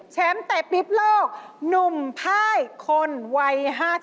แชมป์เตะปี๊บโลกหนุ่มภายคนวัย๕๓